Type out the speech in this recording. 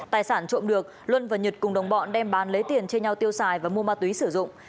tài sản trộm được luân và nhật cùng đồng bọn đem bán lấy tiền chia nhau tiêu xài và mua ma túy sử dụng